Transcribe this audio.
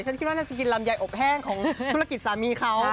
ฉันคิดว่าน่าจะกินลำไยอบแห้งของธุรกิจสามีเขา